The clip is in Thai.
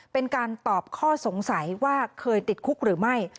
เป็นการตอบข้อสงสัยว่าเคยติดคุกหรือไม่